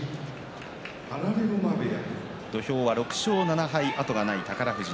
土俵は６勝７敗後がない宝富士。